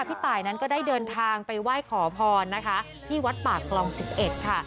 พี่ตายนั้นก็ได้เดินทางไปไหว้ขอพรนะคะที่วัดปากคลอง๑๑ค่ะ